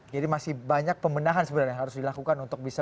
jadi masih banyak pemenahan sebenarnya yang harus dilakukan untuk bisa